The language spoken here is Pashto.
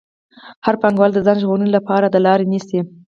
هر پانګوال د ځان ژغورنې لپاره دا لار نیسي